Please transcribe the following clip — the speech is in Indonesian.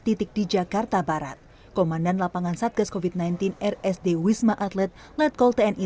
titik di jakarta barat komandan lapangan satgas covid sembilan belas rsd wisma atlet letkol tni